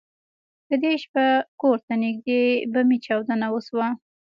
په دې شپه کور ته نږدې بمي چاودنه وشوه.